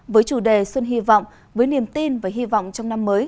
với chủ đề xuân hy vọng với niềm tin và hy vọng trong năm mới